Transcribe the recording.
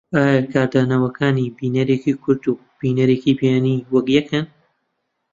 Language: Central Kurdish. ئایا کاردانەوەکانی بینەرێکی کورد و بینەرێکی بیانی وەک یەکن؟